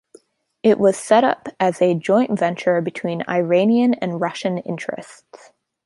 It was set up as a joint venture between Iranian and Russian interests.